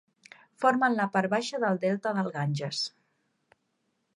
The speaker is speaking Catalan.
Formen la part baixa del delta del Ganges.